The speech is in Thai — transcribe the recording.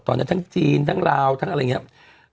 ตอนนี้ทั้งจีนทั้งลาวทั้งอะไรอย่างนี้